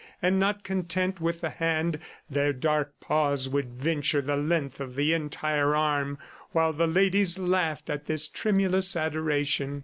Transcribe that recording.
And not content with the hand, their dark paws would venture the length of the entire arm while the ladies laughed at this tremulous adoration.